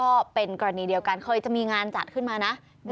ก็เป็นกรณีเดียวกันเคยจะมีงานจัดขึ้นมานะ